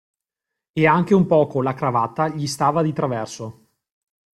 E anche un poco la cravatta gli stava di traverso.